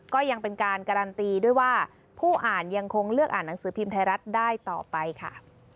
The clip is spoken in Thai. ก็ยังเป็นการการันตีด้วยว่าผู้อ่านยังคงเลือกอ่านหนังสือพิมพ์ไทยรัฐได้ต่อไปค่ะ